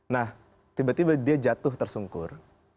nah tiba tiba dia jatuh tersungkur